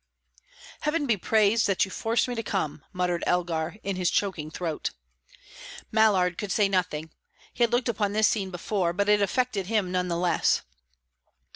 "Heaven be praised that you forced me to come!" muttered Elgar, in his choking throat. Mallard could say nothing. He had looked upon this scene before, but it affected him none the less.